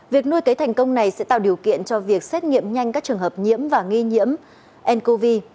việc nuôi cấy thành công này sẽ tạo điều kiện cho việc xét nghiệm nhanh các trường hợp nhiễm và nghi nhiễm ncov